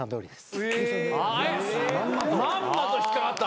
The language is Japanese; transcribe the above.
まんまと引っ掛かった。